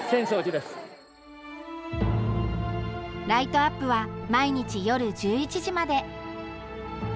ライトアップは毎日、夜１１時まで。